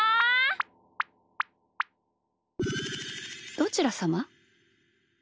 どちらさま？